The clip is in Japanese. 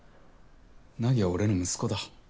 凪は俺の息子だ。